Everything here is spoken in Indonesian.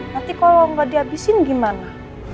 nanti kalau nggak dihabisin gimana